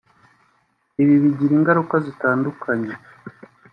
Ibi bigira ingaruka zitandukanye